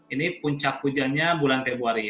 ini puncak hujannya bulan februari